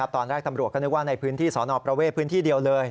ตอนแรกตำรวจก็นึกว่าในพื้นที่สนประเวทพื้นที่เดียวเลย